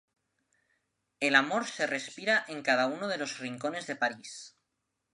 El amor se respira en cada uno de los rincones de París.